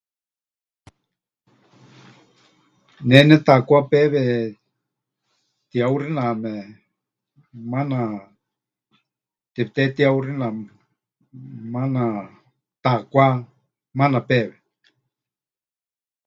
Ne netaakwá pewe tihauxiname, maana tepɨtehetihauxina, maana taakwá, maana péwe.